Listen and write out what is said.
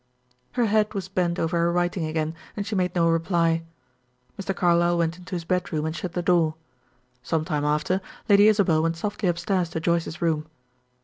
Her head was bent over her writing again, and she made no reply. Mr. Carlyle went into his bedroom and shut the door. Some time after, Lady Isabel went softly upstairs to Joyce's room.